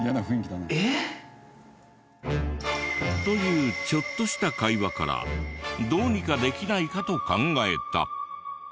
ええっ？というちょっとした会話からどうにかできないかと考えた。